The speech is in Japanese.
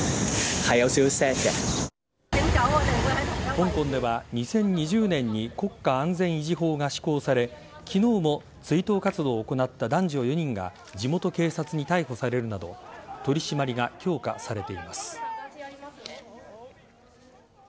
香港では２０２０年に国家安全維持法が施行され昨日も追悼活動を行った男女４人が地元警察に逮捕されるなど取り締まりが強化されています。